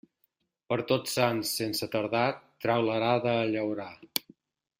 Per Tots Sants, sense tardar, trau l'arada a llaurar.